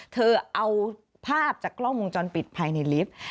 เธอเอาภาพจากกล้องวงจรปิดภายในลิฟต์